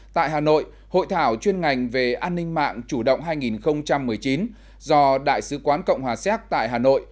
tại hà nội hội thảo chuyên ngành về an ninh mạng chủ động hai nghìn một mươi chín do đại sứ quán cộng hòa xéc tại hà nội